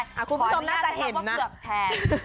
อ่ะคุณผู้ชมน่าจะเห็นนะค่อนข้างจะเห็นว่าเผือกแทน